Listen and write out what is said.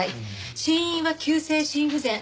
死因は急性心不全。